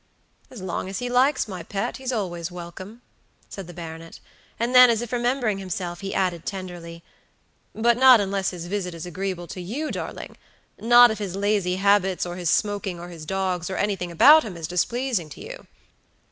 "As long as he likes, my pet; he's always welcome," said the baronet; and then, as if remembering himself, he added, tenderly: "But not unless his visit is agreeable to you, darling; not if his lazy habits, or his smoking, or his dogs, or anything about him is displeasing to you."